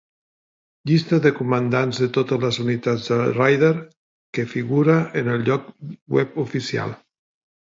Llista dels comandants de totes les unitats de Raider, que figura en el lloc web oficial.